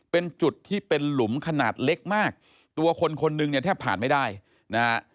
เป็นจุดที่เป็นหลุมขนาดเล็กมากตัวคนคนนึงเนี่ยแทบผ่านไม่ได้นะฮะ